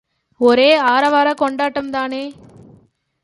ஒரே ஆரவாரக் கொண்டாட்டம் தானே!